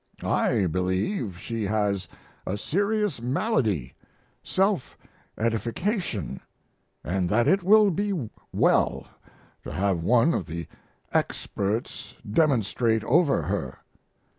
I believe she has a serious malady self edification and that it will be well to have one of the experts demonstrate over her.